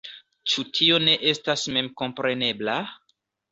Ĉu tio ne estas memkomprenebla?